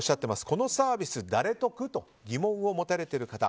このサービス、誰得？と疑問を持たれている方